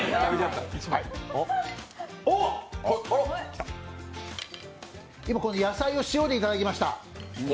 おっ、今、この野菜を塩でいただきました。